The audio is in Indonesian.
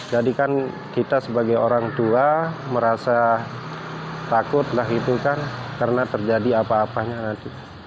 jadi kan kita sebagai orang tua merasa takut lah itu kan karena terjadi apa apanya nanti